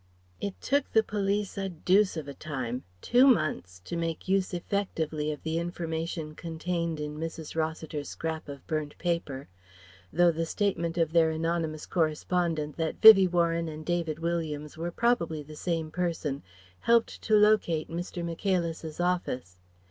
It took the police a deuce of a time two months to make use effectively of the information contained in Mrs. Rossiter's scrap of burnt paper; though the statement of their anonymous correspondent that Vivie Warren and David Williams were probably the same person helped to locate Mr. Michaelis's office.